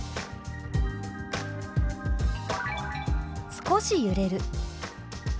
「少し揺れる」。